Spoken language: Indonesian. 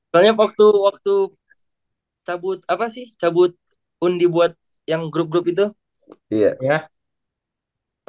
hanya waktu waktu tabut apa sih cabut undi buat yang grup grup itu iya berbahasa